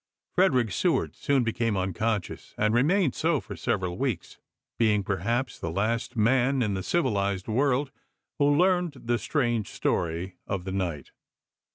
Frederick Seward soon became unconscious and remained so for several weeks, being perhaps the last man in the civilized world who learned the strange story of the night.